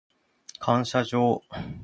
感謝状